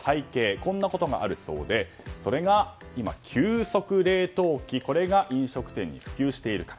こんなことがあるそうでそれが今、急速冷凍機これが飲食店に普及していると。